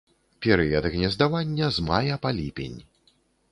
Перыяд гнездавання з мая па ліпень.